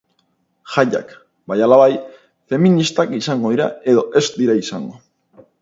Jaiak, bai ala bai, feministak izango dira edo ez dira izango!